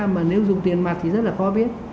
mà nếu dùng tiền mặt thì rất là khó biết